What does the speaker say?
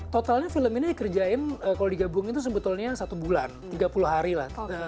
totalnya film ini dikerjain kalo di gabungin tuh sebetulnya satu bulan tiga puluh hari lah